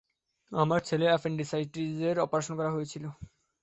আমার ছেলের অ্যাপেনডিসাইটিসের অপারেশন করা হয়েছিলো।